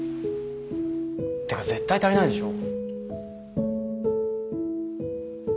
ってか絶対足りないでしょ。